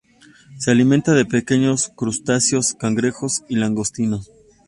Se alimenta de pequeños crustáceos, cangrejos y langostinos.